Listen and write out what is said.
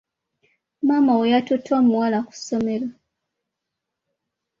Maama we yatutte omuwala ku ssomero.